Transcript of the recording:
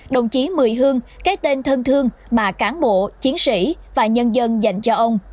đồng chí mười hương cái tên thân thương mà cán bộ chiến sĩ và nhân dân dành cho ông